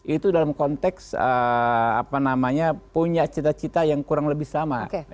itu dalam konteks apa namanya punya cita cita yang kurang lebih sama